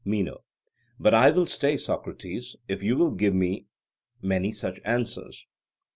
MENO: But I will stay, Socrates, if you will give me many such answers.